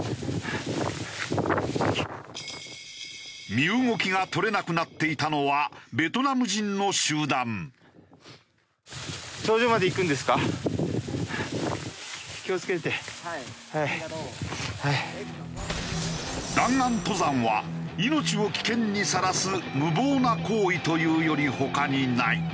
身動きが取れなくなっていたのは弾丸登山は命を危険にさらす無謀な行為というより他にない。